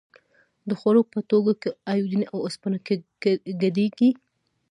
د خوړو په توکو کې ایوډین او اوسپنه ګډیږي؟